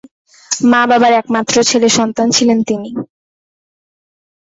মা-বাবার একমাত্র ছেলে সন্তান ছিলেন তিনি।